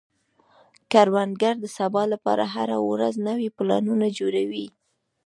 کروندګر د سبا لپاره هره ورځ نوي پلانونه جوړوي